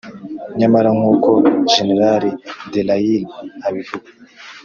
nyamara nkuko jenerali dallaire abivuga,